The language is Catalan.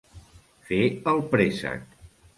Fer el préssec.